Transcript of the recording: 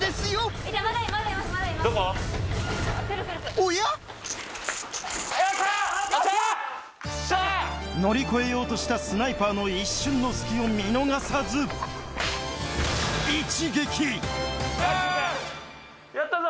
おや⁉乗り越えようとしたスナイパーの一瞬の隙を見逃さずやったぞ。